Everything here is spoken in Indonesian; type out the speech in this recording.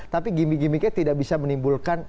tapi gimik gimiknya tidak bisa menimbulkan